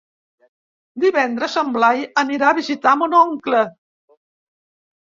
Divendres en Blai anirà a visitar mon oncle.